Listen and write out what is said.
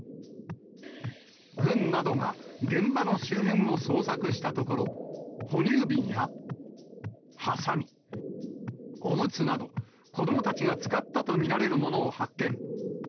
軍などが現場の周辺を捜索したところ、哺乳瓶やはさみ、おむつなど、子どもたちが使ったと見られるものを発見。